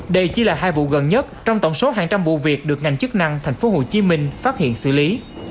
đây chỉ là hai vụ gần nhất trong tổng số hàng trăm vụ việc được ngành chức năng tp hcm phát hiện xử lý